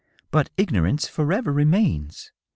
" But ignorance forever remains."